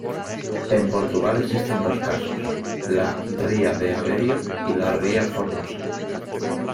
En Portugal existen dos casos, la ría de Aveiro y la ría Formosa.